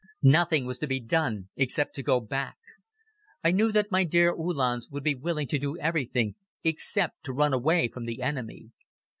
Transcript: Nothing was to be done except to go back. I knew that my dear Uhlans would be willing to do everything except to run away from the enemy.